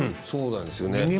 そうなんですよね。